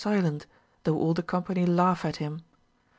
267 silent, though all the company laugh at him.